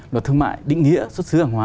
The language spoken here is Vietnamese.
luật thương mại định nghĩa xuất xứ hàng hóa